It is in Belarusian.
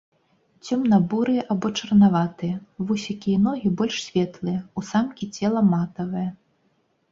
Цёмна-бурыя або чарнаватыя, вусікі і ногі больш светлыя, у самкі цела матавае.